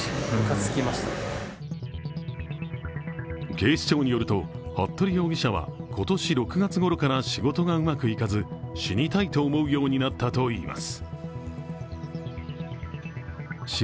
警視庁によると服部容疑者は、今年６月ごろから仕事がうまくいかず死にたいと思うようになったといいます。